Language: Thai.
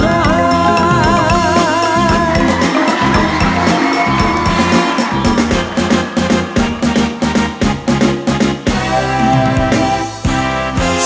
เฮ้ย